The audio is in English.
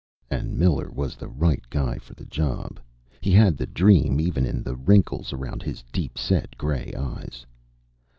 And Miller was the right guy for the job. He had the dream even in the wrinkles around his deep set gray eyes.